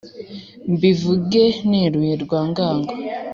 Mbivuge neruye Rwangango